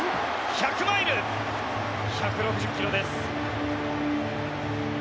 １６０ｋｍです。